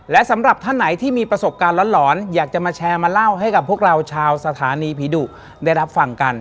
และสำหรับท่านไหนที่มีประสบการณ์หลอนอยากจะมาแชร์มาเล่าให้กับพวกเราชาวสถานีผีดุได้รับฟังกัน